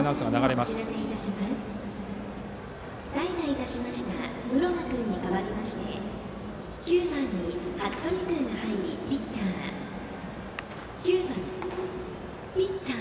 代打いたしました室賀君に代わりまして９番に服部君が入り、ピッチャー。